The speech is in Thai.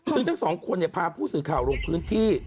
ซึ่งทั้งสองคนพาผู้สื่อข่าวลงพื้นที่